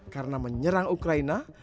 karena menyerang ukraina